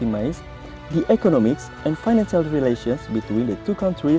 hubungan ekonomi dan finansial antara dua negara